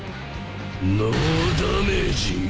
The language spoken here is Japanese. ノーダメージ？